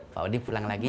pak wadi pulang lagi ya